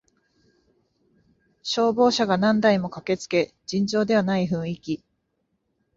消防車が何台も駆けつけ尋常ではない雰囲気